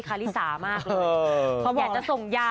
กระทะ